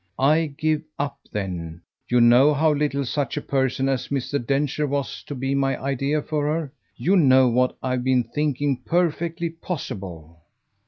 "I give up then. You know how little such a person as Mr. Densher was to be my idea for her. You know what I've been thinking perfectly possible."